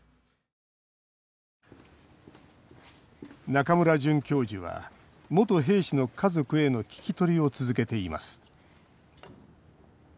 中村准教授は元兵士の家族への聞き取りを続けています